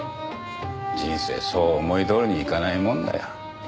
人生そう思いどおりにいかないもんだよ。